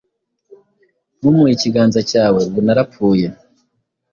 Ntumuhe ikiganza cyawe, ubu narapfuye;